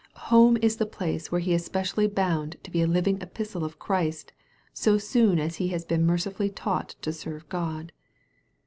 Home is the place where he is specially bound to be a living epistle of Christ, so soon as he has been mercifully taught to serve God.